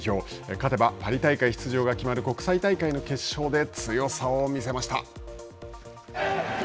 勝てばパリ大会出場が決まる国際大会の決勝で強さを見せました。